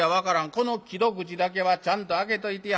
この木戸口だけはちゃんと開けといてや』。